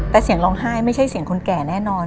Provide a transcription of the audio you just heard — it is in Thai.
แต่เสียงร้องไห้ไม่ใช่เสียงคนแก่แน่นอน